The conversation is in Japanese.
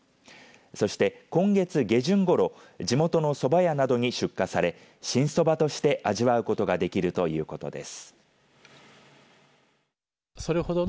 そして今月下旬ごろ地元のそば屋などに出荷され新そばとして味わうことができるということです。